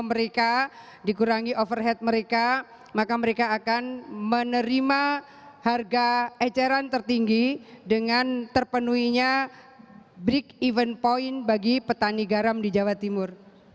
jika mereka dikurangi overhead mereka maka mereka akan menerima harga eceran tertinggi dengan terpenuhinya break even point bagi petani garam di jawa timur